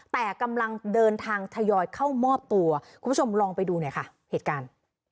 แต่กำลังเดินทางทยอยเข้ามอบตัวคุณผู้ชมลองไปดูหน่อยค่ะเหตุการณ์